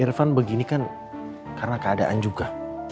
irvan begini kan karena keadaan juga